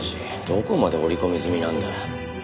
どこまで織り込み済みなんだ？